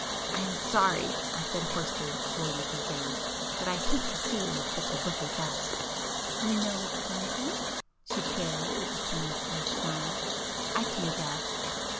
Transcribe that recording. "I am sorry!" I said hoarsely, avoiding her gaze—"But I hate to see you with such a book as that!" "You know its contents?" she queried, with the same slight smile. "I can guess."